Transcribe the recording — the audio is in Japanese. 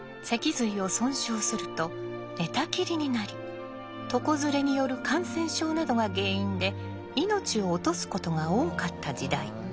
脊髄を損傷すると寝たきりになり床ずれによる感染症などが原因で命を落とすことが多かった時代。